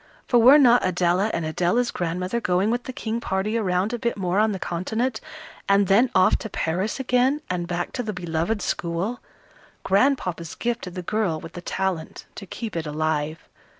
For were not Adela and Adela's grandmother going with the King party around a bit more on the continent, and then off to Paris again, and back to the beloved school Grandpapa's gift to the girl with the talent, to keep it alive!